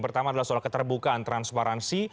pertama adalah soal keterbukaan transparansi